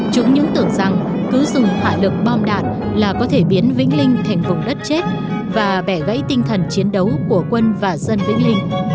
chúng những tưởng rằng cứ dùng hỏa lực bom đạn là có thể biến vĩnh linh thành vùng đất chết và bẻ gãy tinh thần chiến đấu của quân và dân vĩnh linh